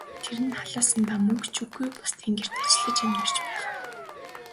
Тэр нь халаасандаа мөнгө ч үгүй, бусдын гэрт ажиллаж амьдарч байгаа.